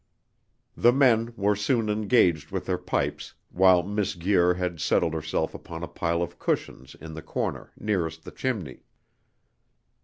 The men were soon engaged with their pipes, while Miss Guir had settled herself upon a pile of cushions in the corner nearest the chimney.